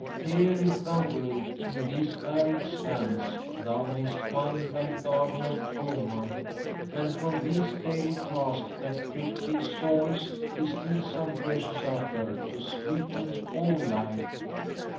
Here, if thou wilt, in these arid sands, thou mayst find thy Garden of Omar, and from these daily tasks that prick thee sorest distil some precious attar to sweeten all life!'